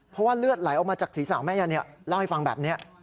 เพราะว่าเลือดไหลออกมาจากศีรษะแม่เล่าให้ฟังแบบนี้